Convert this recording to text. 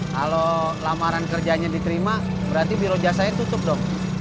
kalau lamaran kerjanya diterima berarti biro jasanya tutup dong